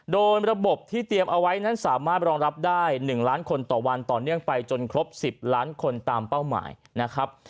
โดยระบบที่เตรียมเอาไว้นั้นสามารถรองรับได้๑ล้านคนต่อวันต่อเนื่องไปจนครบ๑๐ล้านคนตามเป้าหมายนะครับ